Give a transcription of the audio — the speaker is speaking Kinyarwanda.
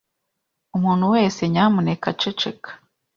Umuntu wese, nyamuneka ceceka.